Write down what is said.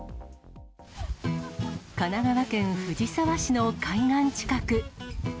神奈川県藤沢市の海岸近く。